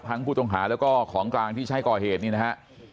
ผู้ต้องหาแล้วก็ของกลางที่ใช้ก่อเหตุนี่นะฮะ